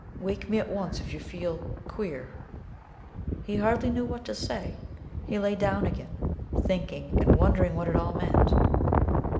Wake me at once if you feel queer." He hardly knew what to say. He lay down again, thinking and wondering what it all meant.